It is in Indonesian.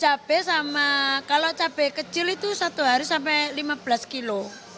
cabai sama kalau cabai kecil itu satu hari sampai lima belas kilo